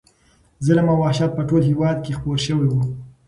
ظلم او وحشت په ټول هېواد کې خپور شوی و.